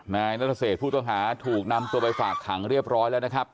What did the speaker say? นายนัทเศษผู้ต้องหาถูกนำตัวไปฝากขังเรียบร้อยแล้วนะครับ